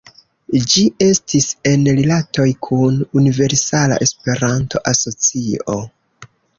Ĝi estis en rilatoj kun Universala Esperanto-Asocio.